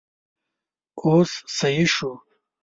اوس سيي شو!